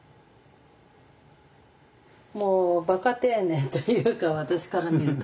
もうバカ丁寧というか私から見ると。